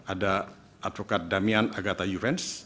ada advokat damian agata juvens